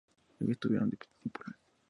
Ellos tuvieron discípulos.